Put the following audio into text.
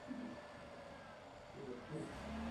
Nejen z Bulharska, ale také sama ze sebe.